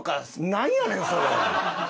なんやねんそれ。